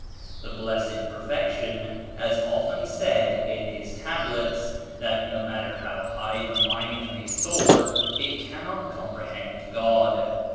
The Blessed Perfection has often said in His Tablets that no matter how high the mind may soar it cannot comprehend God.